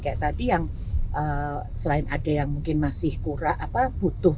kayak tadi yang selain ada yang mungkin masih kurang butuh